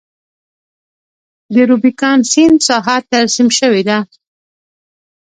د روبیکان سیند ساحه ترسیم شوې ده.